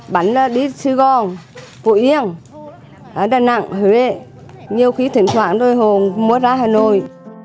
bánh đi sài gòn phú yên đà nẵng huế nhiều khi thỉnh thoảng đôi hồ mua ra hà nội